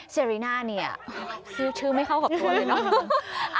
เซริน่าเนี่ยชื่อไม่เข้ากับตัวเลยเนาะ